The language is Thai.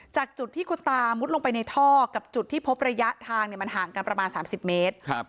จากจุดที่คุณตามุดลงไปในท่อกับจุดที่พบระยะทางมันห่างกันประมาณ๓๐เมตร